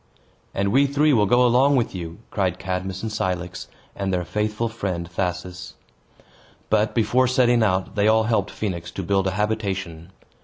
"And we three will go along with you!" cried Cadmus and Cilix, and their faithful friend Thasus. But, before setting out, they all helped Phoenix to build a habitation.